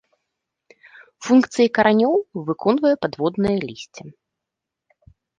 Функцыі каранёў выконвае падводнае лісце.